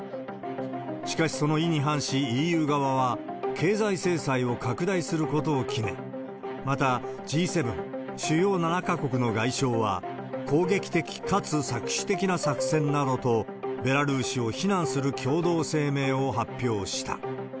しかし、その意に反しＥＵ側は経済制裁を拡大することを決め、またＧ７・主要７か国の外相は、攻撃的かつ搾取的な作戦などと、ベラルーシを非難する共同声明を発表した。